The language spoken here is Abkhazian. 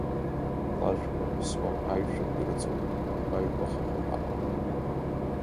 Алажәқәа ҳәсуа аишәақәа ирыҵоуп, абаҩқәа хыҟаҟаауа.